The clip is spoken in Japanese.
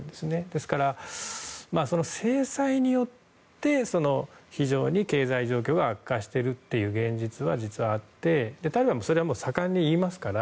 ですから、制裁によって非常に経済状況が悪化しているという現実が実はあって、ただそれは盛んに言いますから。